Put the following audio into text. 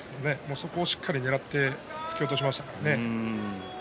そこをしっかりとねらって突き落としましたね。